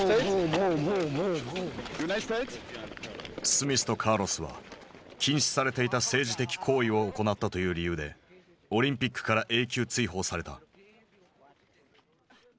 スミスとカーロスは禁止されていた政治的行為を行ったという理由でオリンピックから永久追放された。